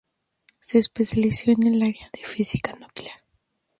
Se especializó en el área de Física Nuclear.